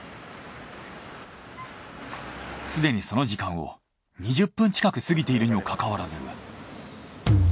すでにその時間を２０分近く過ぎているにもかかわらず。